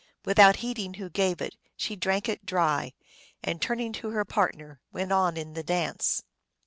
Without heed ing who gave it, she drank it dry, and, turning to her partner, went on in the dance.